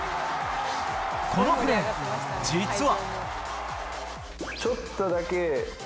このプレー、実は。